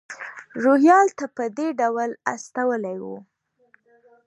روهیال ته په دې ډول استولی و.